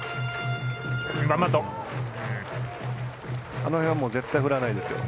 あの辺は絶対に振らないですよ。